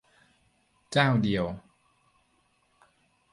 เจ้าเดียว !